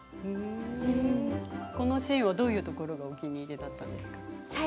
このシーンはどういうところがお気に入りですか？